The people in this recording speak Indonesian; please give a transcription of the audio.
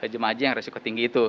jemaah haji yang resiko tinggi itu